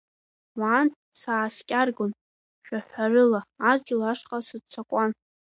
Уантә сааскьаргон шәаҳәарыла, адгьыл ашҟа сыццакуан.